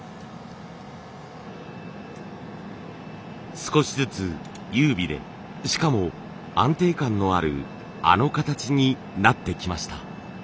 少しずつ優美でしかも安定感のあるあの形になってきました。